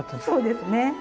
そうですね。